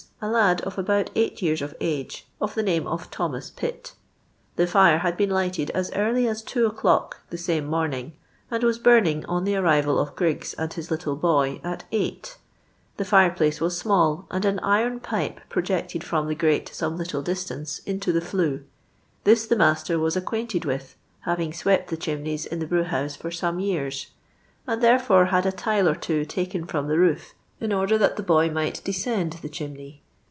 a lad of about eight years uf ug^, of the name of Thomas I'itt. The fire hod been lighted as early as two o'clock the same morning, and was burning on the arrival of Griggs and his little boy at eiglit: the fireplace was small, and an iron pipe projected from the grute some Utile dis tance, into the flue ; this the nmster was ac quainted with (having swept tho chimneys in the brew house for some years) and therefore had a tile or two taken from the roof, in order that the boy might descend the chimney.